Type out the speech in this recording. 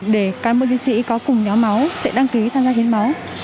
để cán bộ chiến sĩ có cùng nhóm máu sẽ đăng ký tham gia hiến máu